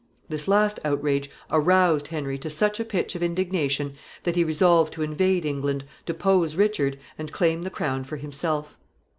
This last outrage aroused Henry to such a pitch of indignation that he resolved to invade England, depose Richard, and claim the crown for himself.